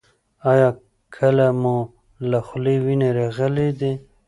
ایا کله مو له خولې وینه راغلې ده؟